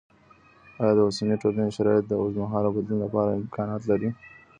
آیا د اوسني ټولني شرایط د اوږدمهاله بدلون لپاره امکانات لري؟